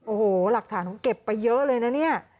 โอ้โหหลักฐานของเก็บไปเยอะเลยนะเนี่ย